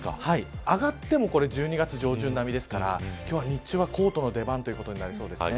上がっても１２月上旬並みですから今日は日中はコートの出番となりそうです。